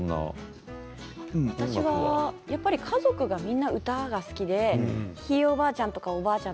家族がみんな歌が好きでひいおばあちゃんやおばあちゃん